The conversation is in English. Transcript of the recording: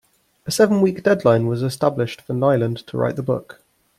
A seven-week deadline was established for Nylund to write the book.